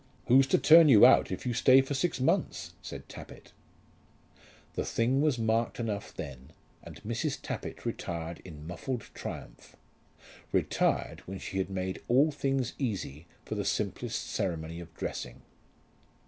"Who's to turn you out if you stay for six months?" said Tappitt. The thing was marked enough then, and Mrs. Tappitt retired in muffled triumph, retired when she had made all things easy for the simplest ceremony of dressing.